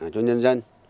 cho nhân dân